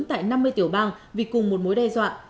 tại năm mươi tiểu bang vì cùng một mối đe dọa